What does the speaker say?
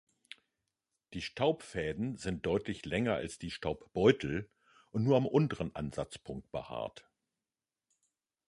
Die Staubfäden sind deutlich länger als die Staubbeutel und nur am unteren Ansatzpunkt behaart.